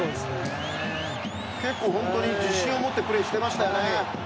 結構本当に自信を持ってプレーしてましたよね。